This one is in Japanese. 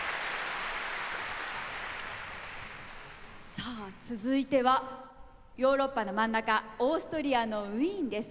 さあ続いてはヨーロッパの真ん中オーストリアのウィーンです。